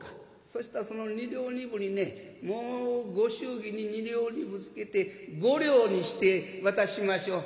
そしたらその２両２分にねもうご祝儀に２両２分つけて５両にして渡しましょう」。